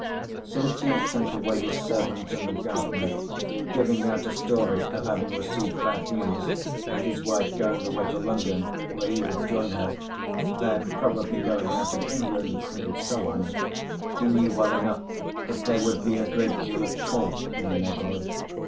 Since he had sent away his servants and the gardener, giving out a story of having received bad news and his wife going away to London where he would join her, their probably going out of England and so on, he knew well enough that there would be a great deal of talk in the neighbourhood.